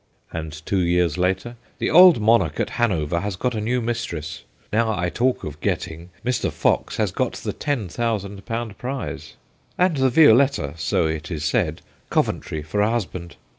And two years later :' The old monarch at Hanover has got a new mistress. ... Now I talk of getting, Mr. Fox has got the ten thousand pound prize; and the Violetta, so it is said, Coventry for a husband.